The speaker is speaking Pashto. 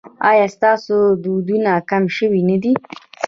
ایا ستاسو دردونه کم شوي نه دي؟